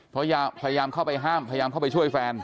พยายามเข้าไปห้ามพยายามเข้าไปช่วยแฟน